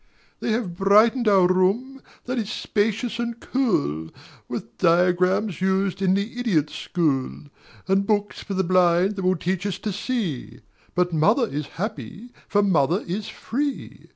They have brightened our room, that is spacious and cool, With diagrams used in the Idiot School, And Books for the Blind that will teach us to see; But mother is happy, for mother is free.